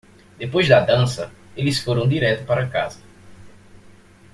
Depois da dança, eles foram direto para casa.